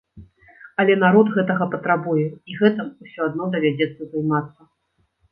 Але народ гэтага патрабуе, і гэтым усё адно давядзецца займацца.